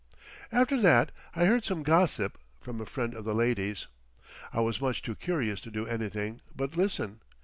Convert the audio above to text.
After that I heard some gossip—from a friend of the lady's. I was much too curious to do anything but listen.